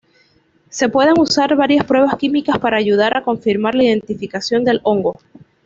Se pueden usar varias pruebas químicas para ayudar a confirmar la identificación del hongo.